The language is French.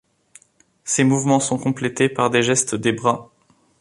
Ces mouvements sont complétés par des gestes des bras.